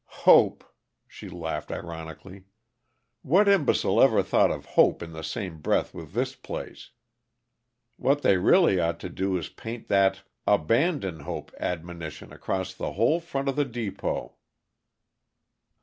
"Hope!" she laughed ironically. "What imbecile ever thought of hope in the same breath with this place? What they really ought to do is paint that 'Abandon hope' admonition across the whole front of the depot!"